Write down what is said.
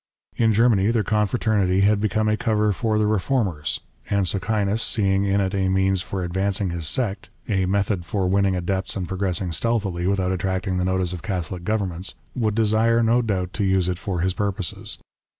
In Germany their confraternity had become a cover for the reformers, and Socinus seeing in it a means for advancing his sect — a method for winning adepts and progressing stealthily without attracting the notice of Catholic governments, would desire no doubt to use it for his purposes.